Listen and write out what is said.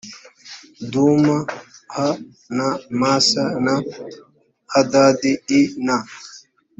duma h na masa na hadadi i na